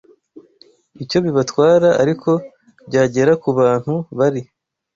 icyo bibatwara ariko byagera ku bantu bari